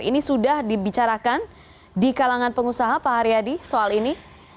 ini sudah dibicarakan di kalangan pengusaha pak haryadi soal ini